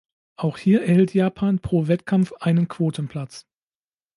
Auch hier erhielt Japan pro Wettkampf einen Quotenplatz.